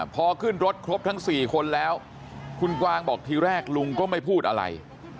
พอขึ้นรถครบทั้ง๔คนแล้วคุณกวางบอกทีแรกลุงก็ไม่พูดอะไร